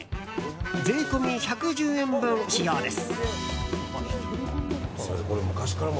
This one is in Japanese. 税込み１１０円分使用です。